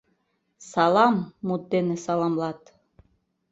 «Салам» мут дене саламлат.